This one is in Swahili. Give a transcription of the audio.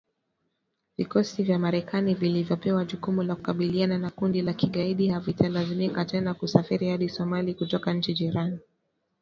Vikosi vya Marekani vilivyopewa jukumu la kukabiliana na kundi la kigaidi havitalazimika tena kusafiri hadi Somalia kutoka nchi jirani .